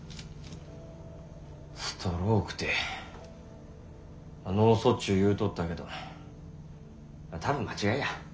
ストロークて脳卒中言うとったけど多分間違いや。